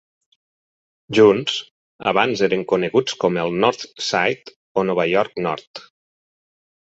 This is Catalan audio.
Junts, abans eren coneguts com el North Side o Nova York Nord.